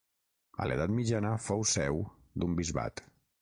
A l'edat mitjana fou seu d'un bisbat.